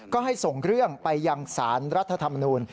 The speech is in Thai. ก็ให้ส่งเรื่องไปยังสารรัฐธรรมนูล